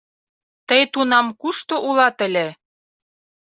Тый тунам кушто улат ыле?